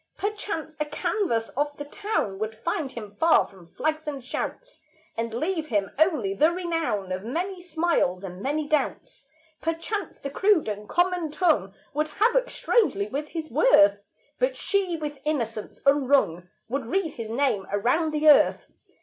Perchance a canvass of the town Would find him far from flags and shouts, And leave him only the renown Of many smiles and many doubts; Perchance the crude and common tongue Would havoc strangely with his worth; But she, with innocence unwrung, Would read his name around the earth.